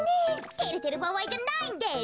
てれてるばあいじゃないんです！